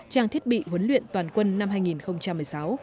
trang thiết bị huấn luyện toàn quân năm hai nghìn một mươi sáu